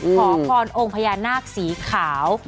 ขอพรองค์พญานาคสีขาว